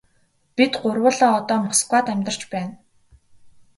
Бид гурвуулаа одоо Москвад амьдарч байна.